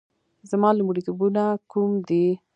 زما لومړیتوبونه کوم دي؟